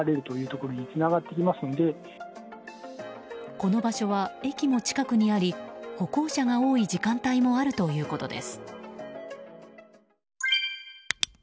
この場所は駅も近くにあり歩行者が多い時間帯もあるということです。